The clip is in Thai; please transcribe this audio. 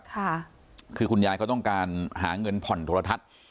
ค่ะคือคุณยายเขาต้องการหาเงินผ่อนโทรทัศน์